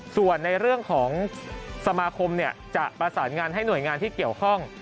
ส่วนในเรื่องของสมาคมจะประสานงานให้หน่วยงานที่เกี่ยวข้อง